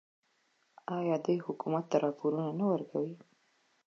آیا دوی حکومت ته راپورونه نه ورکوي؟